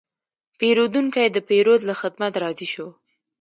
پیرودونکی د پیرود له خدمت راضي شو.